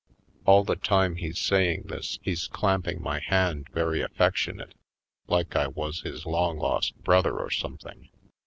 All the time he's saying this he's clamp ing my hand very affectionate, like I was his long lost brother or something.